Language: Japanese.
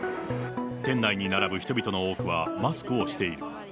店内に並ぶ人々の多くはマスクをしている。